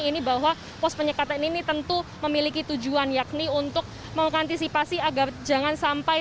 ini bahwa pos penyekatan ini tentu memiliki tujuan yakni untuk mengantisipasi agar jangan sampai